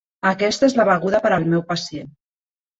Aquesta és la beguda per al meu pacient.